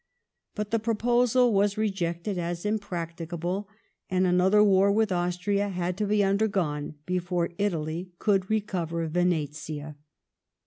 But the proposal was rejected as imprac* ticable, and another war with Austria had to be under gone before Italy could recover Yenetia.